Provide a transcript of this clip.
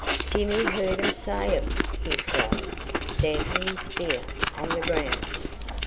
"Jimmy heard um say um!" he cried, stamping his spear on the ground.